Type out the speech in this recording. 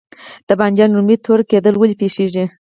د بانجان رومي تور کیدل ولې پیښیږي؟